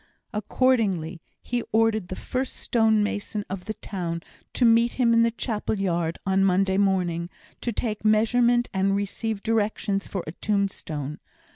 Accordingly, he ordered the first stonemason of the town to meet him in the chapel yard on Monday morning, to take measurement and receive directions for a tombstone.